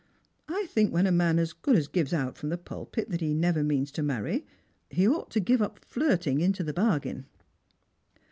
I think when a man as good as gives out from the pulpit that he never means to marry, he ought to give up flirting into the bargain."